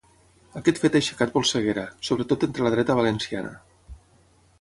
Aquest fet ha aixecat polseguera, sobretot entre la dreta valenciana.